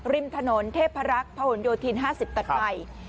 ริมถนนเทพรักษ์พะหนโยธิน๕๐ตัดไป